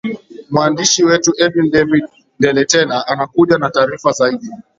mwaandishi wetu edwin david ndeletela anakuja na taarifa zaidi